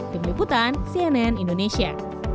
demikian cnn indonesia